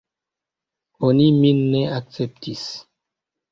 Oni min ne akceptis.